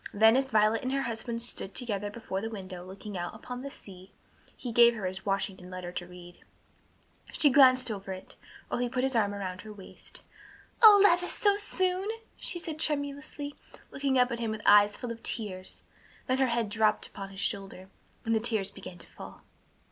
Then as Violet and her husband stood together before the window looking out upon the sea, he gave her his Washington letter to read. She glanced over it, while he put his arm about her waist. "O Levis, so soon!" she said tremulously, looking up at him with eyes full of tears, then her head dropped upon his shoulder, and the tears began to fall.